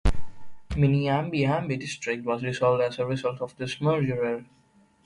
Minamiamabe District was dissolved as a result of this merger.